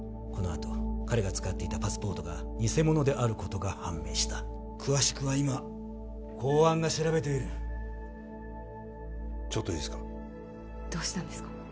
このあと彼が使っていたパスポートが偽物であることが判明した詳しくは今公安が調べているちょっといいですかどうしたんですか？